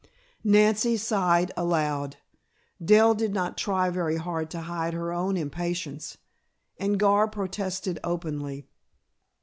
Nancy sighed aloud, Dell did not try very hard to hide her own impatience and Gar protested openly.